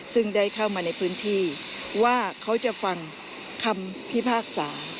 ซึ่งได้เข้ามาในพื้นที่ว่าเขาจะฟังคำพิพากษา